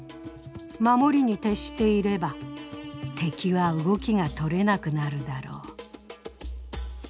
守りに徹していれば敵は動きが取れなくなるだろう」。